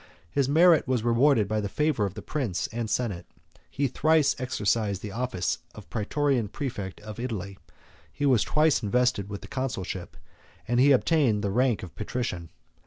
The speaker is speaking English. His merit was rewarded by the favor of the prince and senate: he thrice exercised the office of Prætorian præfect of Italy; he was twice invested with the consulship, and he obtained the rank of patrician.